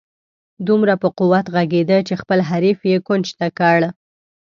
دومره په قوت ږغېده چې خپل حریف یې کونج ته کړ.